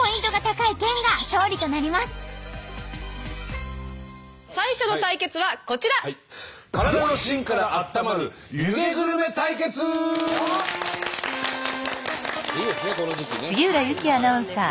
いいですねこの時期ね。